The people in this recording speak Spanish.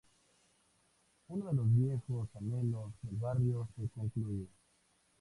Uno de los viejos anhelos del barrio se concluye.